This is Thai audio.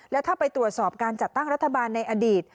แล้วถ้าไปตรวจสอบการจัดตั้งรัฐบาลในอดีต